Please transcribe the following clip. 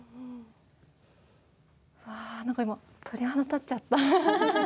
わあ何か今鳥肌立っちゃった。